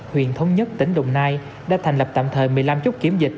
huyện thống nhất tỉnh đồng nai đã thành lập tạm thời một mươi năm chốt kiểm dịch